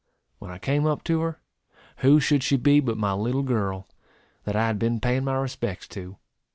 When I came up to her, who should she be but my little girl, that I had been paying my respects to.